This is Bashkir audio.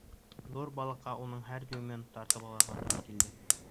Ҙур балыҡҡа уның һәр дюймын тартып алырға тура килде.